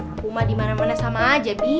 aku mah dimana mana sama aja bi